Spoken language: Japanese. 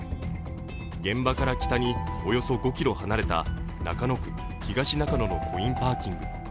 現場から北におよそ５ｋｍ離れた中野区東中野のコインパーキング。